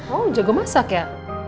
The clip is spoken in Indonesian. oh jago masak ya